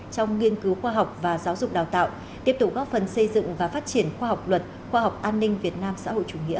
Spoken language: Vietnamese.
trong nghiên cứu khoa học và giáo dục đào tạo tiếp tục góp phần xây dựng và phát triển khoa học luật khoa học an ninh việt nam xã hội chủ nghĩa